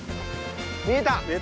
見えた！